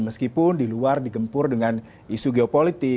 meskipun di luar digempur dengan isu geopolitik